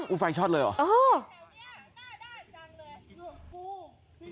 เอาไฟช็อตเลยเหรอ